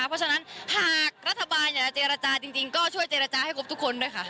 เพราะฉะนั้นหากรัฐบาลอยากจะเจรจาจริงก็ช่วยเจรจาให้ครบทุกคนด้วยค่ะ